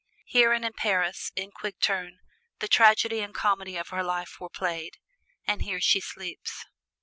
Here and in Paris, in quick turn, the tragedy and comedy of her life were played; and here she sleeps.